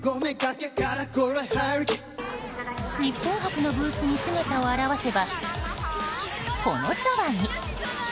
日本博のブースに姿を現せばこの騒ぎ。